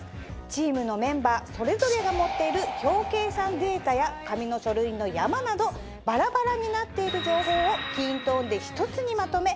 チームのメンバーそれぞれが持っている表計算データや紙の書類の山などバラバラになっている情報をキントーンで。